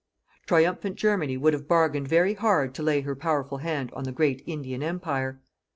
Triumphant Germany would have bargained very hard to lay her powerful hand on the great Indian Empire.